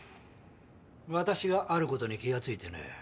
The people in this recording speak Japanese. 私がある事に気がついてね。